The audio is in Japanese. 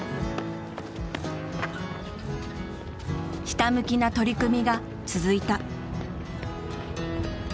ひたむきな取り組みが続いた。